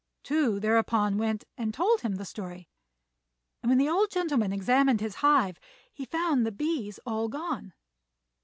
Tou thereupon went and told him the story; and when the old gentleman examined his hive he found the bees all gone.